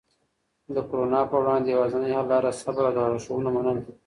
د کرونا په وړاندې یوازینی حل لاره صبر او د لارښوونو منل دي.